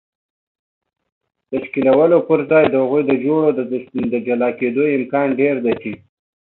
تشکیلولو پر ځای د هغو جوړو د جلا کېدو امکان ډېر دی چې